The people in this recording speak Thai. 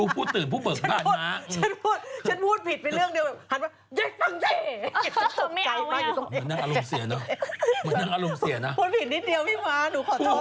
พูดผิดนิดเดียวพี่ม้าหนูขอโทษ